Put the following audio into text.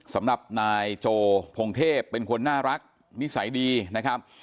สำหรับนายโจพงเทพเป็นคนน่ารักนิสัยดีนะครับ